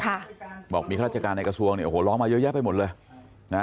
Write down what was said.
บอกว่ามีฆาตราชการในกระทรวงร้องมาเยอะไปหมดเลย